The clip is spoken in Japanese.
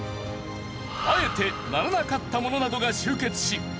あえてならなかった者などが集結し。